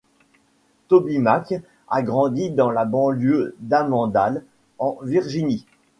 TobyMac a grandi dans la banlieue d'Annandale, en Virginie.